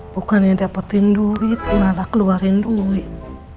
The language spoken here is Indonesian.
bukan yang dapetin duit malah keluarin duit